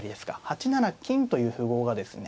８七金という符号がですね